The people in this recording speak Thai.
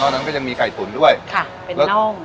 นอกจากนั้นก็ยังมีไก่ตุ๋นด้วยค่ะเป็นน่อง